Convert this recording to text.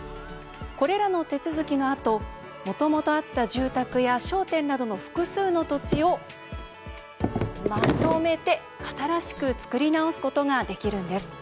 これらの手続きのあともともとあった住宅や商店などの複数の土地をまとめて新しく作り直すことができるんです。